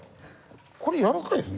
これやわらかいですね。